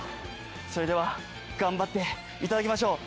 それでは頑張っていただきましょう。